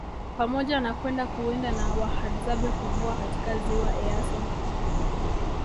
Pamoja na kwenda kuwinda na wahadzabe Kuvua katika Ziwa Eyasi